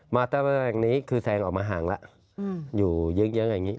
เตอร์แห่งนี้คือแซงออกมาห่างแล้วอยู่เยอะอย่างนี้